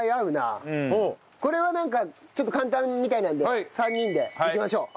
これはなんかちょっと簡単みたいなので３人でいきましょう！